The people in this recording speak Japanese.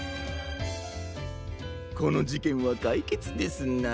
このじけんはかいけつですな。